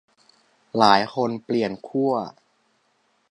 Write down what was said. หลายคนเปลี่ยนขั้ว